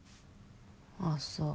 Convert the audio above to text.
あっそう。